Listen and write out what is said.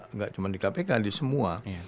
nggak cuma di kpk di semua